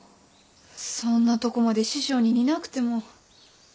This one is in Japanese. そんなとこまで師匠に似なくても。